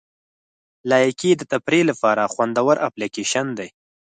لایکي د تفریح لپاره خوندوره اپلیکیشن دی.